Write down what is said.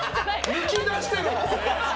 抜き出してる！